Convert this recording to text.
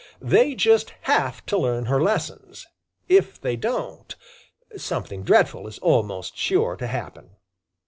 They just HAVE to learn her lessons. If they don't, something dreadful is almost sure to happen.